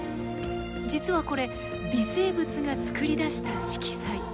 実はこれ微生物が作り出した色彩。